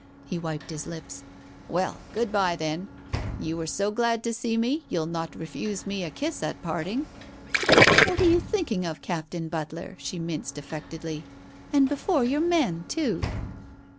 He wiped his lips. "Well, good bye, then. ... You were so glad to see me, you'll not refuse me a kiss at parting ?" "What are you thinking of, Captain Butler?" she minced affectedly. "And before your men, too."